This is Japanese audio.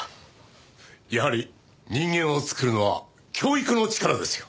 やはり人間を作るのは教育の力ですよ。